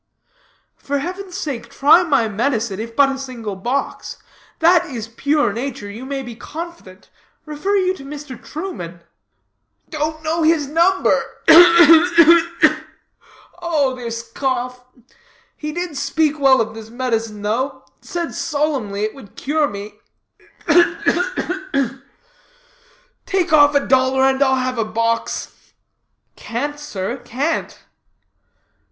Ugh, ugh, ugh!" "For heaven's sake try my medicine, if but a single box. That it is pure nature you may be confident, Refer you to Mr. Truman." "Don't know his number ugh, ugh, ugh, ugh! Oh this cough. He did speak well of this medicine though; said solemnly it would cure me ugh, ugh, ugh, ugh! take off a dollar and I'll have a box." "Can't sir, can't."